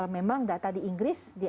memang data di inggris